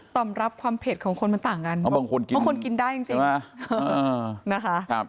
รับความเผ็ดของคนมันต่างกันบางคนกินได้จริงนะคะ